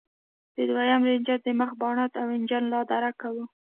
د دويم رېنجر د مخ بانټ او انجن لادرکه و.